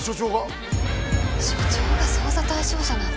署長が捜査対象者なんて。